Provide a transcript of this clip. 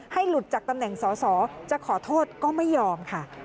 หลุดจากตำแหน่งสอสอจะขอโทษก็ไม่ยอมค่ะ